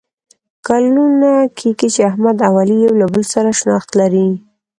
کلونه کېږي چې احمد او علي یو له بل سره شناخت لري.